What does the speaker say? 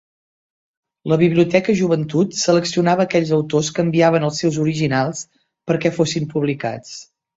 La Biblioteca Joventut seleccionava aquells autors que enviaven els seus originals perquè fossin publicats.